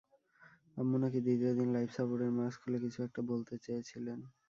আম্মু নাকি দ্বিতীয় দিন লাইফ সাপোর্টের মাস্ক খুলে কিছু একটা বলতে চেয়েছিলেন।